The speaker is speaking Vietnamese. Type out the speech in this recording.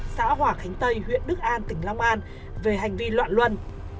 xã hòa khánh tây huyện đức an tỉnh long an